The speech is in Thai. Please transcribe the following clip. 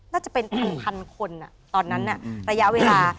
น่าจะเป็นพันคนตอนนั้นระยะเวลา